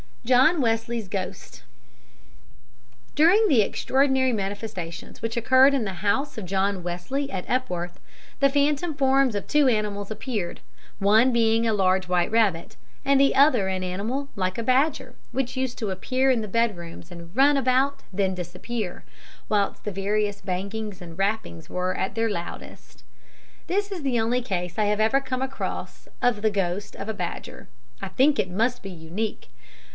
John Wesley's Ghost In his article "More Glimpses of the Unseen" (Occult Review, October, 1906), Mr. Reginald B. Span writes: "During the extraordinary manifestations which occurred in the house of John Wesley at Epworth, the phantom forms of two animals appeared, one being a large white rabbit, and the other an animal like a badger, which used to appear in the bedrooms and run about and then disappear, whilst the various bangings and rappings were at their loudest." This is the only case I have ever come across of the ghost of a badger. I think it must be unique.